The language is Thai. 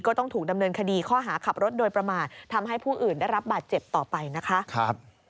ต้องถูกดำเนินคดีข้อหาขับรถโดยประมาททำให้ผู้อื่นได้รับบาดเจ็บต่อไปนะคะ